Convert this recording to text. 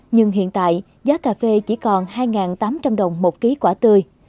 nhưng hiện tại giá cà phê chỉ còn hai tám trăm linh đồng một ký quả tươi